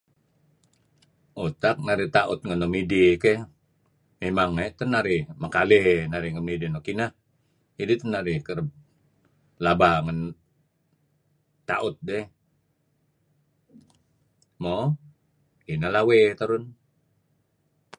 Utak narih taut ngen nuk midih keyh mimang teh narih makaley ngen nuk midih nuk ineh kidih teh narih kereb laba ngen taut dih. Mo kineh lawey dih terun.